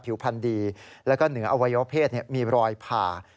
ให้ผิวพันธุ์ดีและเหนืออวัยพเภสมีรอยผ่า